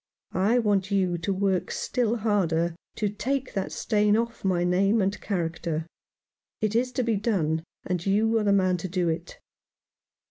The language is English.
I want you to work still harder to take that stain off my name and character. It is to be done, and you are the man to do it."